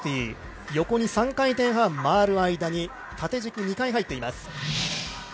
横に３回転半回る間に、縦軸２回入っています。